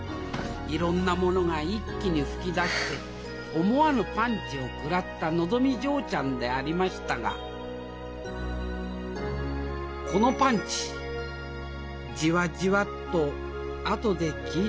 いろんなものが一気に噴き出して思わぬパンチを食らったのぞみ嬢ちゃんでありましたがこのパンチジワジワとあとで効いてきたのであります